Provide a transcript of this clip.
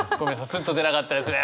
スッと出なかったですね。